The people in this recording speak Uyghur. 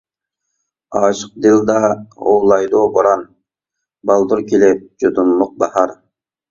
ئاشىق دىلدا ھۇۋلايدۇ بوران، بالدۇر كېلىپ جۇدۇنلۇق باھار.